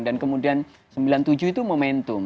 dan kemudian sembilan puluh tujuh itu momentum